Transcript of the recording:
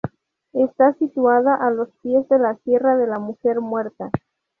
Está situada a los pies de la Sierra de la Mujer Muerta.